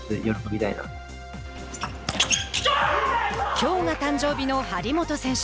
きょうが誕生日の張本選手。